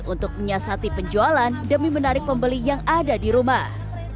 untuk menyiasati penjualan demi menarik pembeli yang ada di rumah